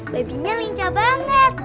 babinya lincah banget